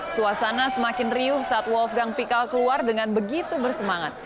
suasana semakin riuh saat wolfgang pikal keluar dengan begitu bersemangat